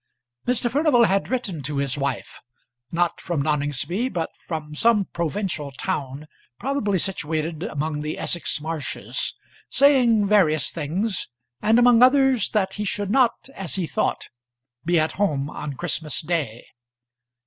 Mr. Furnival had written to his wife, not from Noningsby, but from some provincial town, probably situated among the Essex marshes, saying various things, and among others that he should not, as he thought, be at home at Christmas day.